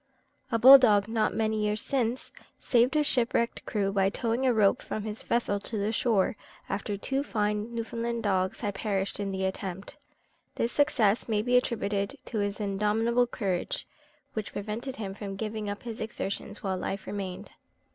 A bull dog, not many years since, saved a shipwrecked crew by towing a rope from the vessel to the shore, after two fine Newfoundland dogs had perished in the attempt. This success may be attributed to his indomitable courage, which prevented him from giving up his exertions while life remained.